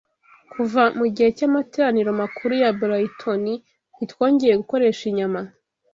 Kuva mu gihe cy’amateraniro makuru ya Brayitoni ntitwongeye gukoresha inyama